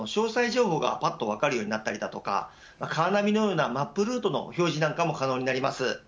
情報が分かるようになったりカーナビのようなマップルートの表示も可能になります。